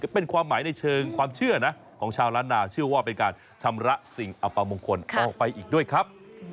เป็นความหมายในเชิงความเชื่อนะของชาวล้านนาเชื่อว่าเป็นการชำระสิ่งอัปมงคลออกไปอีกด้วยครับ